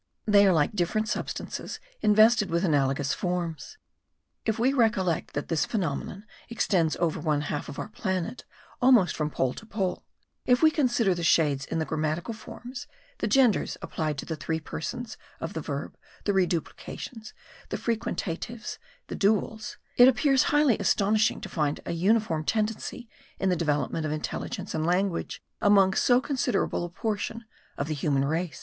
They are like different substances invested with analogous forms. If we recollect that this phenomenon extends over one half of our planet, almost from pole to pole; if we consider the shades in the grammatical forms (the genders applied to the three persons of the verb, the reduplications, the frequentatives, the duals); it appears highly astonishing to find a uniform tendency in the development of intelligence and language among so considerable a portion of the human race.